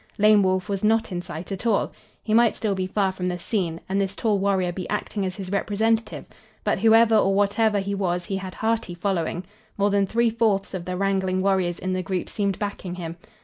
Lame Wolf was not in sight at all. He might still be far from the scene, and this tall warrior be acting as his representative. But whoever or whatever he was he had hearty following. More than three fourths of the wrangling warriors in the group seemed backing him.